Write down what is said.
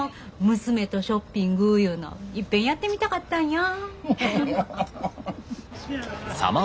娘とショッピングいうのいっぺんやってみたかったんや。